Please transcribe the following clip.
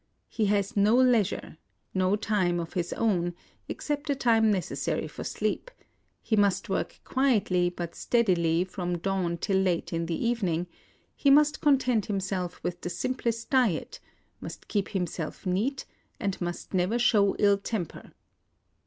He has no leisure, — no time of his own IN OSAKA 149 except the time necessary for sleep ; he must work quietly but steadily from dawn till late in the evening ; he must content himself with the simplest diet, must keep himself neat, and must never show ill temper.